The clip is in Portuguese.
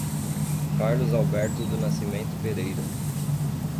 Carlos Alberto do Nascimento Pereira